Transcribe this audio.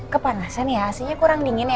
kepanasan ya isinya kurang dingin ya